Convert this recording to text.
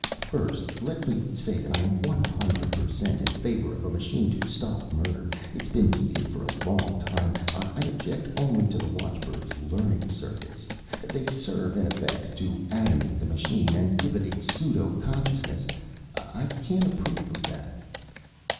"First, let me say that I am one hundred per cent in favor of a machine to stop murder. It's been needed for a long time. I object only to the watchbird's learning circuits. They serve, in effect, to animate the machine and give it a pseudo consciousness. I can't approve of that."